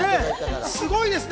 すごいですね。